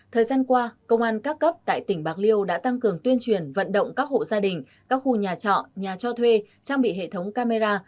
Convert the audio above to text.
thời gian qua công an các cấp tại tỉnh bạc liêu đã tăng cường tuyên truyền vận động các hộ gia đình các khu nhà trọ nhà cho thuê trang bị hệ thống camera